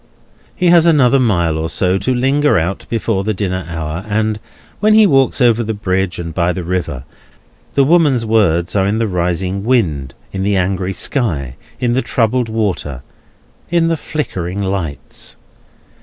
He has another mile or so, to linger out before the dinner hour; and, when he walks over the bridge and by the river, the woman's words are in the rising wind, in the angry sky, in the troubled water, in the flickering lights.